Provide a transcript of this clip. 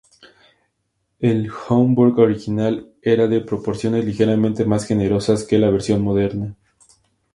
El Homburg original era de proporciones ligeramente más generosas que la versión moderna.